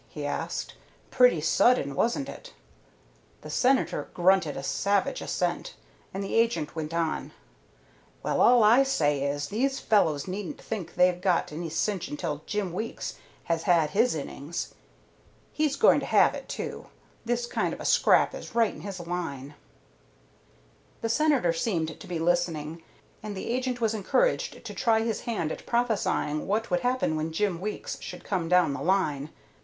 he asked. "Pretty sudden, wasn't it?" The Senator grunted a savage assent, and the agent went on: "Well, all I say is, these fellows needn't think they've got any cinch until Jim Weeks has had his innings. He's going to have it, too. This kind of a scrap is right in his line." The Senator seemed to be listening, and the agent was encouraged to try his hand at prophesying what would happen when Jim Weeks should come down the line.